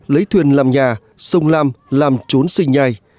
lấy thuyền làm nhà sông lam làm trốn sinh nhai